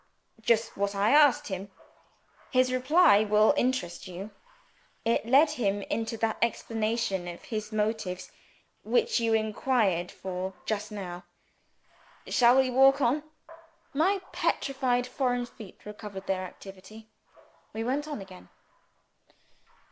"Just what I asked him. His reply will interest you. It led him into that explanation of his motives which you inquired for just now. Shall we walk on?" My petrified foreign feet recovered their activity. We went on again.